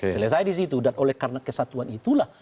selesai di situ dan oleh karena kesatuan itulah